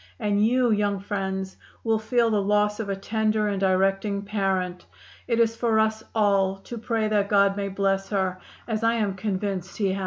And you, young friends, will feel the loss of a tender and directing parent.... It is for us all to pray that God may bless her, as I am convinced He has."